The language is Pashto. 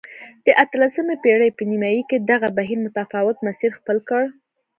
د اتلسمې پېړۍ په نیمايي کې دغه بهیر متفاوت مسیر خپل کړ.